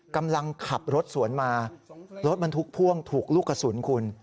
กำลังขับรถสวนมารถบรรทุกพ่วงถูกลูกกระสุนคุณ